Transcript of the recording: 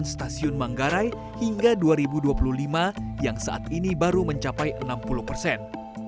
stasiun manggarai hingga dua ribu dua puluh lima yang saat ini baru mencapai enam puluh persen